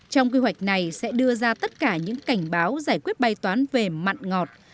trong quy hoạch này sẽ đưa ra tất cả những cảnh báo giải quyết bài toán về mặn ngọt